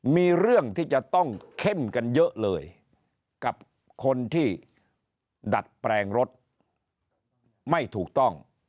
มีเรื่องที่จะต้องเข้มกันเยอะเลยกับคนที่ดัดแปลงรถไม่ถูกต้อง